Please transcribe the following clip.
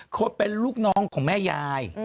เขาเป็นลูกน้องของแม่ยาย